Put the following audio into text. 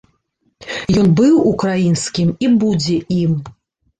Ён быў украінскім і будзе ім.